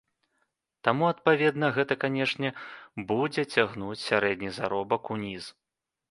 Таму, адпаведна, гэта, канечне, будзе цягнуць сярэдні заробак уніз.